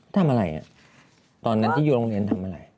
ทำอะไรตอนนั้นที่อยู่โรงเรียนทำอะไร